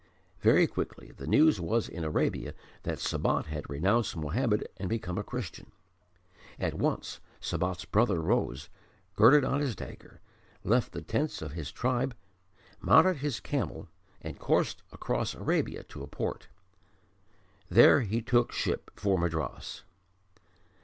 Very quickly the news was in Arabia that Sabat had renounced Mohammed and become a Christian. At once Sabat's brother rose, girded on his dagger, left the tents of his tribe, mounted his camel and coursed across Arabia to a port. There he took ship for Madras.